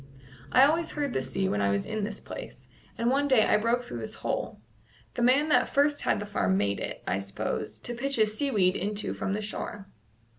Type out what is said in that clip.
"I always heard the sea when I was in this place, and one day I broke through this hole. The man that first had the farm made it, I s'pose, to pitch his seaweed into from the shore."